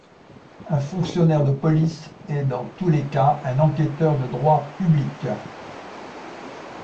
Un fonctionnaire de police est dans tous les cas un enquêteur de droit public.